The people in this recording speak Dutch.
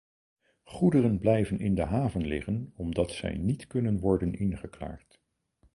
Goederen blijven in de haven liggen omdat zij niet kunnen worden ingeklaard.